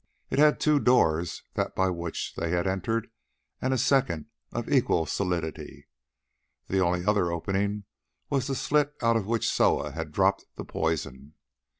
It had two doors, that by which they had entered and a second of equal solidity. The only other opening was the slit out of which Soa had dropped the poison.